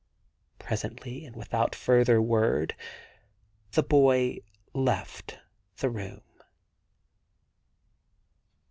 Presently, and without further word, the boy left the room.